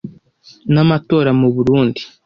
n’amatora mu Burunndi”